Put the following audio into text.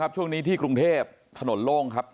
ช่วงนี้ที่กรุงเทพถนนโล่งครับ